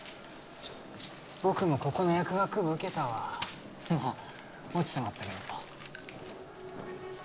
僕もここの薬学部受けたわまっ落ちてまったけどな